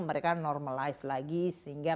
mereka normalize lagi sehingga